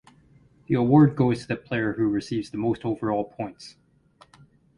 The award goes to the player who receives the most overall points.